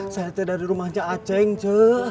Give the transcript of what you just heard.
saya tadi dari rumahnya aceh je